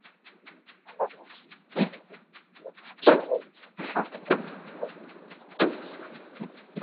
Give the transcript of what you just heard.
halafu hii ya kutumia misitu au kutegemea misitu iwe